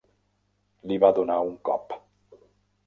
Li va donar un cop.